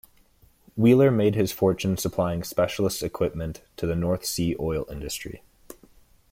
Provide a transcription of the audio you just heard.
Wheeler made his fortune supplying specialist equipment to the North Sea oil industry.